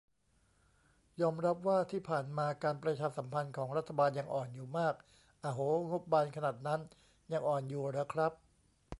"ยอมรับว่าที่ผ่านมาการประชาสัมพันธ์ของรัฐบาลยังอ่อนอยู่มาก" อะโห งบบานขนาดนั้น ยังอ่อนอยู่เหรอครับ